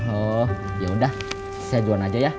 oh yaudah saya jualan aja ya